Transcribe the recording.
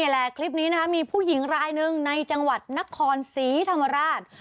แหละคลิปนี้นะคะมีผู้หญิงรายหนึ่งในจังหวัดนครศรีธรรมราช